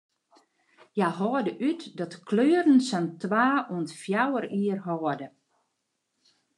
Hja hâlde út dat de kleuren sa'n twa oant fjouwer jier hâlde.